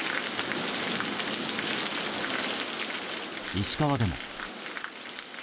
石川でも。